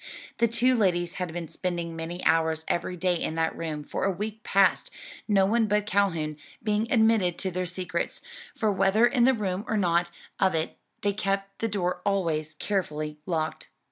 The two ladies had been spending many hours every day in that room for a week past, no one but Calhoun being admitted to their secrets, for whether in the room or out of it they kept the door always carefully locked.